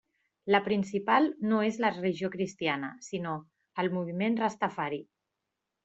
La principal no és la religió cristiana sinó el moviment Rastafari.